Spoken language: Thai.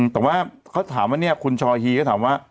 แต่ว่าเขาถามว่าเนี่ยคุณชอฮีก็ถามว่า